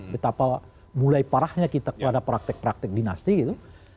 betapa mulai parahnya kita kepada praktek praktek dinasti gitu